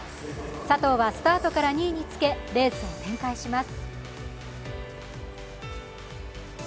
佐藤はスタートから２位につけレースを展開します。